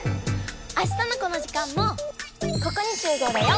あしたのこの時間もここにしゅうごうだよ！